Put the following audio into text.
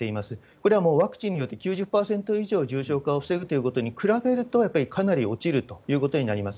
これはもうワクチンで９０％以上重症化を防ぐということに比べると、やっぱりかなり落ちるということになります。